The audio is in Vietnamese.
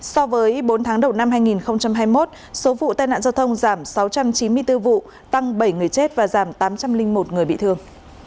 so với bốn tháng đầu năm hai nghìn hai mươi một số vụ tai nạn giao thông giảm sáu trăm chín mươi bốn vụ tăng bảy người chết và giảm tám trăm linh một người bị thương